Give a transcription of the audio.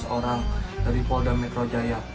dua ratus orang dari polda metro jaya